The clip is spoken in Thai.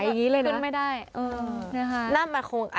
ชอบที่ลงมาดันเพื่อนน่ะ